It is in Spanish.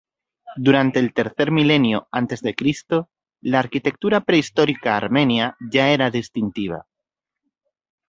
Durante el tercer milenio a.C, la arquitectura prehistórica armenia ya era distintiva.